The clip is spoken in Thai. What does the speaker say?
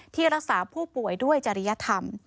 ที่รักษาผู้ป่วยด้วยจริยธรรม